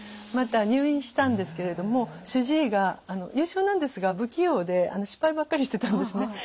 また入院したんですけれども主治医が優秀なんですが不器用で失敗ばっかりしてたんですね。